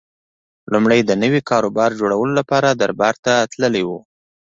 لومړی د نوي کاروبار جوړولو لپاره دربار ته تللی و